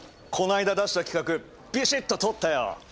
この間出した企画ビシッと通ったよ！